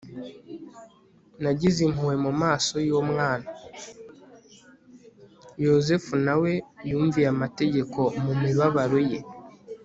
yozefu na we yumviye amategeko mu mibabaro ye